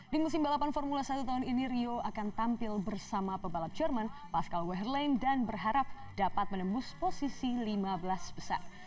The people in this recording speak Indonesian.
di musim balapan formula satu tahun ini rio akan tampil bersama pebalap jerman pascal weherland dan berharap dapat menembus posisi lima belas besar